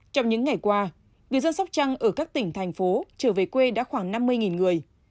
trong những ngày qua người dân sóc trăng ở các tỉnh thành phố trở về quê đã khoảng năm mươi người